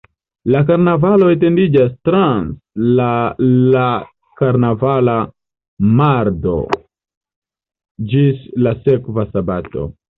La karnavalo etendiĝas trans la la karnavala mardo ĝis la sekva "sabato".